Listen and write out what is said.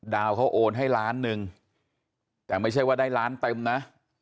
ดาวเขาโอนให้ล้านหนึ่งแต่ไม่ใช่ว่าได้ล้านเต็มนะ